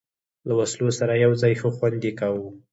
له وسلو سره یو ځای، ښه خوند یې کاوه.